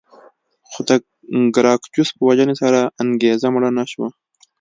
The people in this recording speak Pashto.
خو د ګراکچوس په وژنې سره انګېزه مړه نه شوه